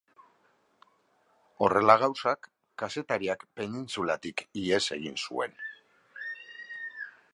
Horrela gauzak, kazetariak penintsulatik ihes egin zuen.